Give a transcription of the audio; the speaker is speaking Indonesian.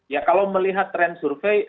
ya kalau melihat tren survei